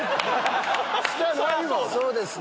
そうですね。